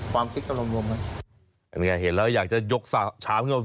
ความคิดกับรวมรวมกันนี่ไงเห็นแล้วอยากจะยกสาชาม